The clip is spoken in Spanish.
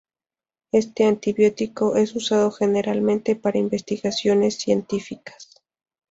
Este antibiótico es usado generalmente para investigaciones científicas.